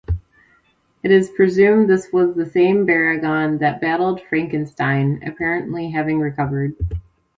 It is presumed this was the same Baragon that battled Frankenstein, apparently having recovered.